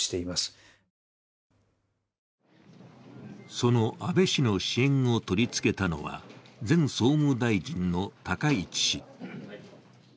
その安倍氏の支援を取り付けたのは、前総務大臣の高市氏。